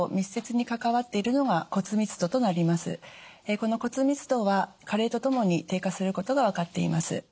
この骨密度は加齢とともに低下することが分かっています。